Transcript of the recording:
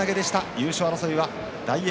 優勝争いは大栄